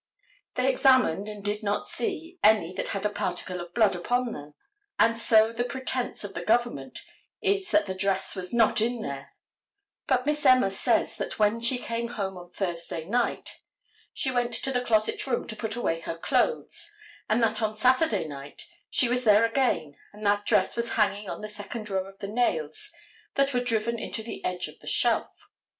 They examined and did not see any that had a particle of blood upon them, and so the pretense of the government is that the dress was not in there, but Miss Emma says that when she came home on Thursday night she went to the closet room to put away her clothes and that on Saturday night she was there again and that dress was hanging on the second row of the nails that were driven into the edge of the shelf.